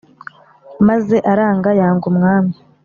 Maze aranga yanga umwami